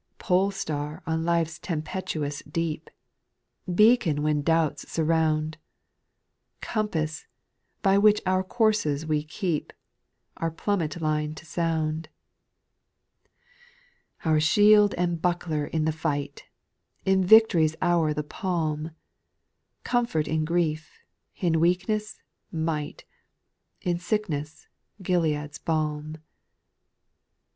4. Pole star on life's tempestuous deep I Beacon when doubts surround ; Compass ! by which our course we keep ; Our plummet line to sound ! 5. Our shield and buckler in the fight 1 In victory's hour the palm ! Comfort in grief! in weakness— might! In sickness — Gilead's balm. 6.